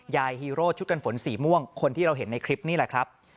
ฮีโร่ชุดกันฝนสีม่วงคนที่เราเห็นในคลิปนี่แหละครับ